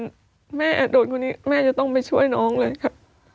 แม่โดนคนนี้แม่จะต้องไปช่วยน้องเลยค่ะ